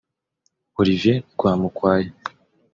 Olivier Rwamukwaya